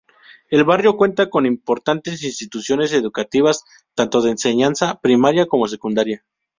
El barrio cuenta con importantes instituciones educativas, tanto de enseñanza primaria como secundaria.